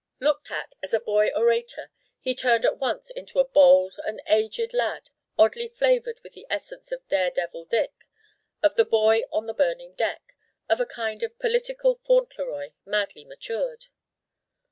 Looked at as a Boy Orator he turned at once into a bald and aged lad oddly flavored with an essence of Dare devil Dick, of the boy on the burning deck, of a kind of political Fauntleroy madly matured.